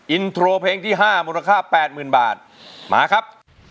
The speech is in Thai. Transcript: อินโทรเพลงที่ห้ามูลค่าแปดหมื่นบาทมาครับ